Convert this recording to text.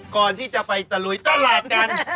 ก่อนที่จะไปตะลุยตลาดกัน